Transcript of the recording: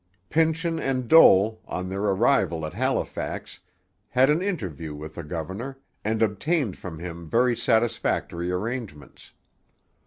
Pynchon and Dole, on their arrival at Halifax, had an interview with the governor, and obtained from him very satisfactory arrangements.